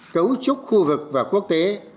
cấu trúc khu vực và quốc tế